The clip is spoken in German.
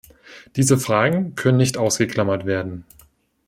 Diese Fragen können nicht ausgeklammert werden.